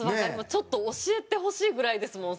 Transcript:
ちょっと教えてほしいぐらいですもん。